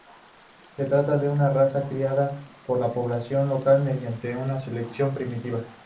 Se trata de una raza criada por la población local mediante una selección primitiva.